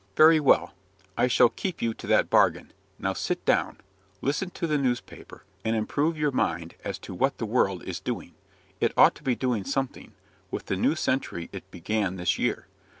"Very well; I shall keep you to that bargain. Now, sit down; listen to the newspaper, and improve your mind as to what the world is doing. It ought to be doing something, with the new century it began this year.